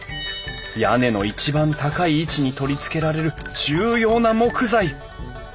屋根の一番高い位置に取り付けられる重要な木材。